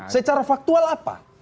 secara faktual apa